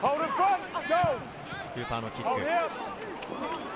クーパーのキック。